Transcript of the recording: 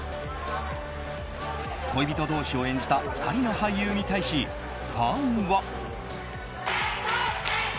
恋人同士を演じた２人の俳優に対しファンは。